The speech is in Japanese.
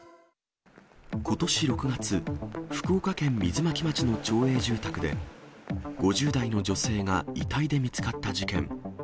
ことし６月、福岡県水巻町の町営住宅で、５０代の女性が遺体で見つかった事件。